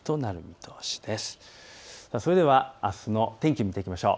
それではあすの天気、見ていきましょう。